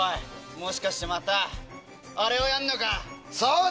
⁉もしかしてまたあれをやんのか⁉そうだ！